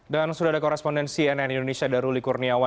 dan sudah ada korespondensi nn indonesia daruli kurnia